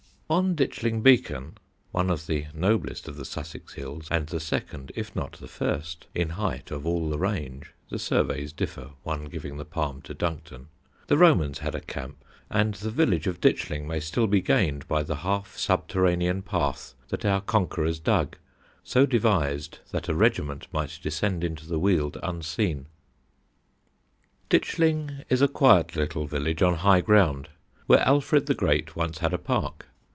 On Ditchling Beacon, one of the noblest of the Sussex hills and the second if not the first in height of all the range (the surveys differ, one giving the palm to Duncton) the Romans had a camp, and the village of Ditchling may still be gained by the half subterranean path that our conquerors dug, so devised that a regiment might descend into the Weald unseen. [Sidenote: LONDON'S VASTNESS] Ditchling is a quiet little village on high ground, where Alfred the Great once had a park.